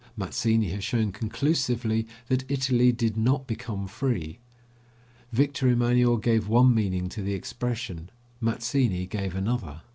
Mazzini has shown conclusively that Italy did not become free. Victor Emanuel gave one meaning to the expression; Mazzini gave another.